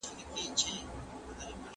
ماشوم په احتیاط له زینو ښکته کېده.